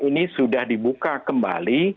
ini sudah dibuka kembali